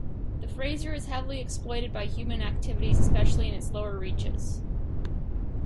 The Fraser is heavily exploited by human activities, especially in its lower reaches.